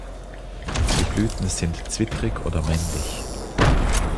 Die Blüten sind zwittrig oder männlich.